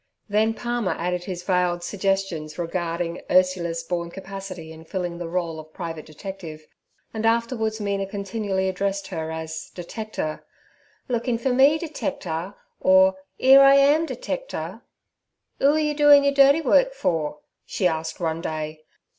Then Palmer added his veiled suggestions regarding Ursula's born capacity in filling the rôle of private detective, and afterwards Mina continually addressed her as 'detecter.' 'Lookin' for me, detecter?' or "Ere I am, detecter.' "Oo are you doin' yer dirty work for?' she asked one day.